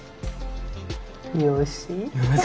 よし？